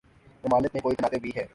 ممالک میں کوئی تنازع بھی ہے